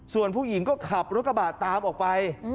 ส่วนผู้หญิงก็ขับรถกระบะตามออกไป